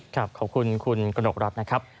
ขอบคุณคุณกระหนกรัฐนะครับ